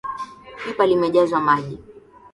Pipa limejazwa maji.